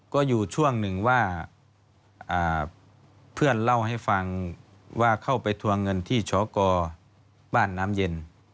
ก็อยู่ช่วงหนึ่งว่าเพื่อนเล่าให้ฟังว่าเข้าไปทวงเงินที่ชกบ้านน้ำเย็น